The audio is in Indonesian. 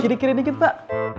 kiri kiri dikit pak